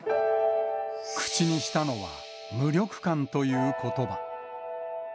口にしたのは、無力感ということば。